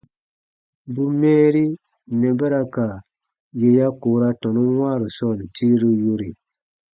Bù mɛɛri mɛ̀ ba ra ka yè ya koora tɔnun wãaru sɔɔn tireru yore.